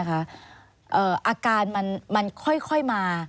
อาการมันค่อยมา